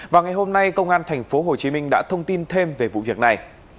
vào ngày hôm nay công an thành phố hồ chí minh đã thông tin thêm về vụ việc này